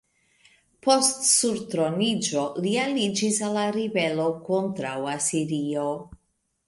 Post surtroniĝo, li aliĝis al la ribelo kontraŭ Asirio.